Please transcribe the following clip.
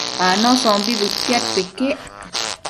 Anoshombi bëtiadquio iquec